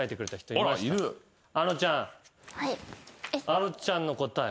あのちゃんの答え